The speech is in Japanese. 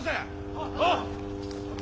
はっ！